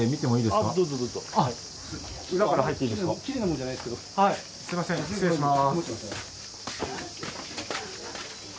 すみません失礼します。